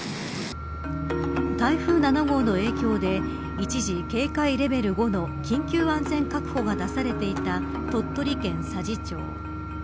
台風７号の影響で一時、警戒レベル５の緊急安全確保が出されていた鳥取県佐治町。